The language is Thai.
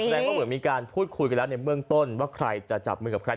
แสดงว่าเหมือนเป็นการพูดคุยในเมื่องต้นว่าใครจะจับมือกับใคร